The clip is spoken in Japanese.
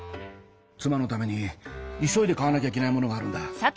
妻のために急いで買わなきゃいけないものがあるんだ。